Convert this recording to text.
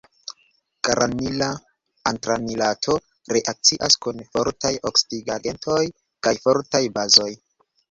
Geranila antranilato reakcias kun fortaj oksidigagentoj kaj fortaj bazoj.